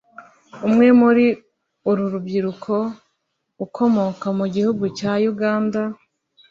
umwe muri uru byiruko ukomoka mu gihugu cya Uganda